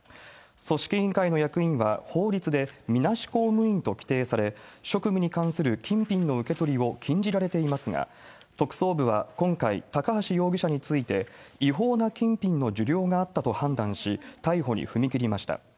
組織委員会の役員は法律でみなし公務員と規定され、職務に関する金品の受け取りを禁じられていますが、特捜部は今回、高橋容疑者について、違法な金品の受領があったと判断し、逮捕に踏み切りました。